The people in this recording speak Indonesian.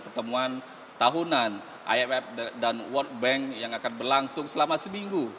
pertemuan tahunan imf dan world bank yang akan berlangsung selama seminggu